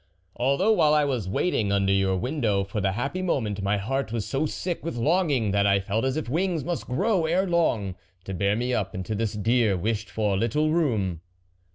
" Although while I was waiting under your window for the happy moment, my heart was so sick with long ing that I felt as if wings must grow ere long, to bear me up into this dear wished for little room."